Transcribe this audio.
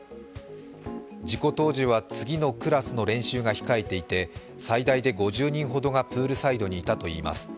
事故当時は次のクラスの練習が控えていて最大で５０人ほどがプールサイドにいたといいます。